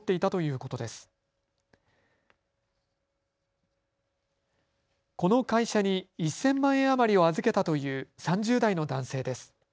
この会社に１０００万円余りを預けたという３０代の男性です。